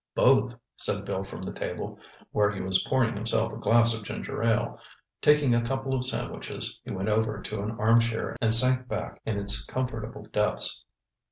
"Both," said Bill from the table, where he was pouring himself a glass of ginger ale. Taking a couple of sandwiches, he went over to an armchair and sank back in its comfortable depths.